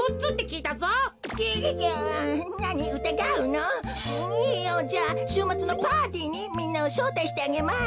いいよ。じゃあしゅうまつのパーティーにみんなをしょうたいしてあげます。